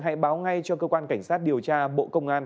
hãy báo ngay cho cơ quan cảnh sát điều tra bộ công an